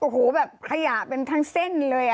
โหแบบขยะบริสุทธิ์เป็นทั้งเส้นเลย